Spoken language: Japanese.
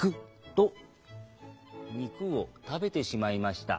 肉を食べてしまいました。